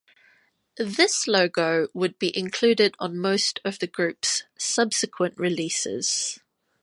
This logo would be included on most of the group's subsequent releases.